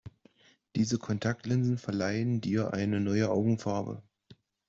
Diese Kontaktlinsen verleihen dir eine neue Augenfarbe.